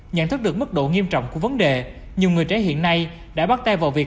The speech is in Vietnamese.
nhận thức được mức độ nghiêm trọng của vấn đề nhiều người trẻ hiện nay đã bắt tay vào việc